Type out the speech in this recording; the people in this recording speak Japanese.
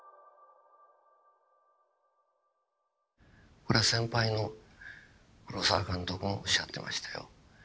これは先輩の黒澤監督もおっしゃってましたよ。